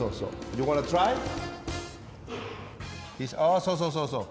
おそうそうそうそう。